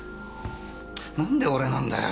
なんで俺なんだよ。